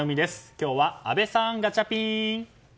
今日は阿部さん、ガチャピン！